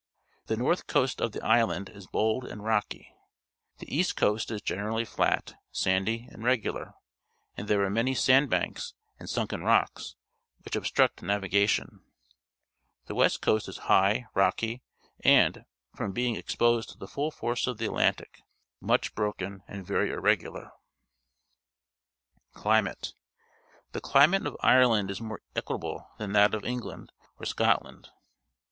The north coast of the island is bold and rocky. The east coast is generally flat, sandy, and regular, and there are many sand banks and sunken rocks, which ob struct navigation. The west coast is high. Sackville Street, the principal Thoroughfare in Dublin, Ireland rocky, and, from being exposed to the full force of the Atlantic, much broken and very irregular. Climate. — The climate of Ireland is more equable than that of England or Scotland.